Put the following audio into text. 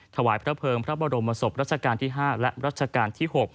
ถวายพระเภิงพระบรมศพรัชกาลที่๕และรัชกาลที่๖